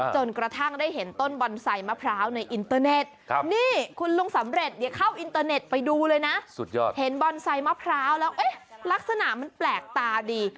ปลูกต้นบอนไซมะพร้าวแล้วลักษณะมันแปลกตาดี